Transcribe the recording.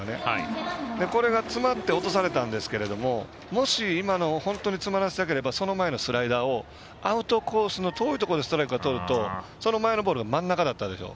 これが詰まって落とされたんですがもし今のを本当に詰まらせたければその前のスライダーをアウトコースの遠いところにストライクをとるとその前のボールが真ん中だったでしょ。